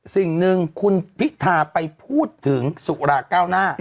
สิ่งหนึ่งคุณพิธาไปพูดถึงสุราเก้าหน้า